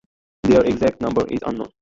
Their exact number is unknown.